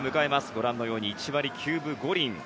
ご覧のように１割９分５厘。